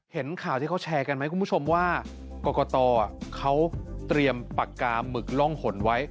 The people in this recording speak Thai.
เห็นข่าวที่เขาแชร์กันไหมคุณผู้ชมว่ากรกตเขาเตรียมปากกาหมึกร่องหนไว้